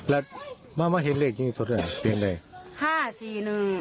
แล้วมาม่าเห็นเลขจริงสักเท่าไหร่เปลี่ยนได้